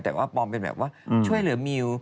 แต่ว่าปลอมเป็นแบบว่าช่วยเหลือมิว